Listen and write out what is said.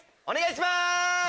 お願いします！